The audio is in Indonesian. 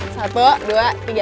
satu dua tiga